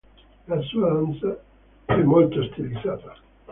La sua danza è molto stilizzata.